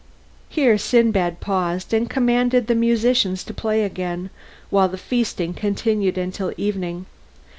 Here Sindbad paused, and commanded the musicians to play again, while the feasting continued until evening.